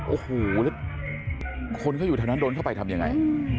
โอ้โหแล้วคนเขาอยู่แถวนั้นโดนเข้าไปทำยังไง